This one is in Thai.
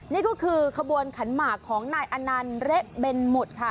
นี่ก็คือขบวนขันหมากของนายอนันต์เละเบนหมุดค่ะ